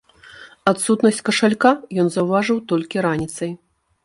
Адсутнасць кашалька ён заўважыў толькі раніцай.